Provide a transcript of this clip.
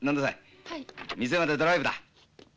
店までドライブだ。